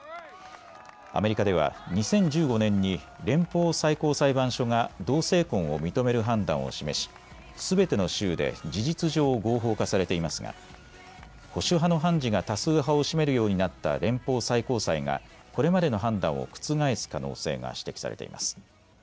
アメリカでは２０１５年に連邦最高裁判所が同性婚を認める判断を示し、すべての州で事実上、合法化されていますが保守派の判事が多数派を占めるようになった連邦最高裁がこれまでの判断を覆す可能性が指摘されています。